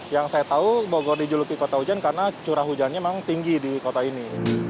yang saya tahu bogor dijuluki kota hujan karena curah hujannya memang tinggi di kota ini